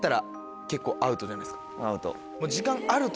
アウト。